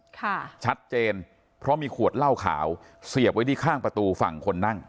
ค่ะชัดเจนเพราะมีขวดเหล้าขาวเสียบไว้ที่ข้างประตูฝั่งคนนั่ง